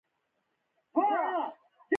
رئیس جمهور خپلو عسکرو ته امر وکړ؛ ځمکه!